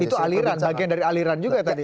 itu aliran bagian dari aliran juga tadi